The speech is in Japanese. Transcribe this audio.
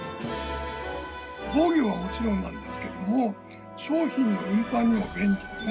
防御はもちろんなんですけども商品の運搬にも便利でね。